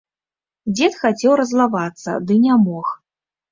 Дзед хацеў раззлавацца, ды не мог.